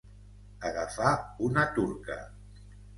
Agafar una turca.